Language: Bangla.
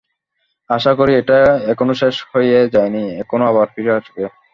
আশা করি এটা এখনো শেষ হয়ে যায়নি, এখানে আবার ফিরে আসব।